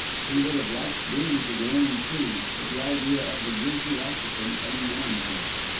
He would have liked dearly to go in and see; but the idea of the grisly occupant unmanned him.